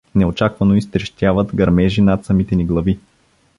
Нечакано изтрещяват гърмежи над самите ни глави.